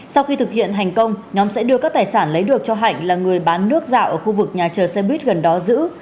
sau khi thực hiện thành công nhóm sẽ đưa các tài sản lấy được cho hạnh là người bán nước dạo ở khu vực nhà chờ xe buýt gần đó giữ